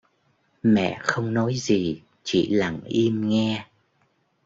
Mẹ không nói gì chỉ lặng im nghe